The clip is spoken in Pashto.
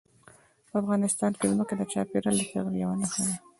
په افغانستان کې ځمکه د چاپېریال د تغیر یوه نښه ده.